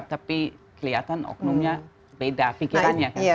tapi kelihatan oknumnya beda